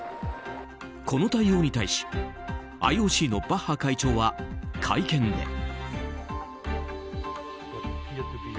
この対応に対しＩＯＣのバッハ会長は会見で。